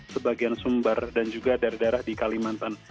sebagian sumber dan juga dari daerah di kalimantan